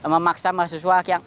memaksa mahasiswa yang